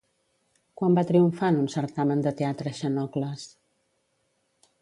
Quan va triomfar en un certamen de teatre Xenocles?